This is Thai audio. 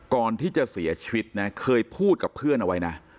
ก่อนที่จะเสียชีวิตนะเคยพูดกับเพื่อนเอาไว้นะ